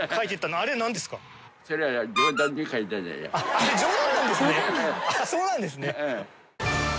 あっそうなんですね。